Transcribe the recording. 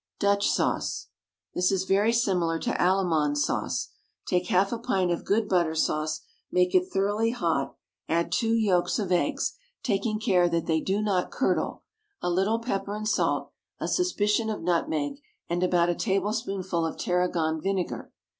DUTCH SAUCE. This is very similar to Allemande Sauce. Take half a pint of good butter sauce, make it thoroughly hot, add two yolks of eggs, taking care that they do not curdle, a little pepper and salt, a suspicion of nutmeg, and about a tablespoonful of tarragon vinegar.